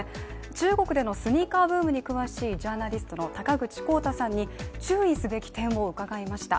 中国でのスニーカーブームに詳しいジャーナリストの高口康太さんに注意すべき点を伺いました。